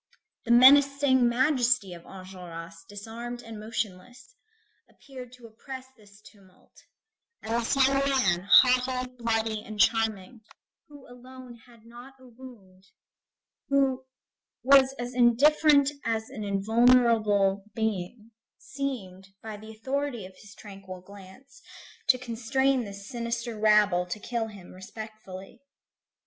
The menacing majesty of Enjolras disarmed and motionless, appeared to oppress this tumult, and this young man, haughty, bloody, and charming, who alone had not a wound, who was as indifferent as an invulnerable being, seemed, by the authority of his tranquil glance, to constrain this sinister rabble to kill him respectfully.